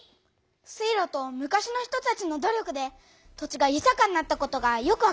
水路と昔の人たちの努力で土地がゆたかになったことがよくわかったよ！